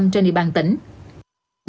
trên địa bàn tỉnh